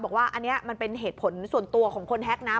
บอกว่าอันนี้มันเป็นเหตุผลส่วนตัวของคนแฮ็กนะ